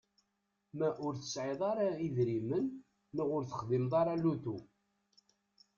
Ma ur tesɛiḍ ara idrimen neɣ ur texdimeḍ ara lutu.